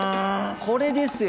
これですよ。